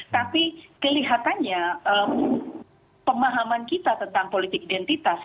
tapi kelihatannya pemahaman kita tentang politik identitas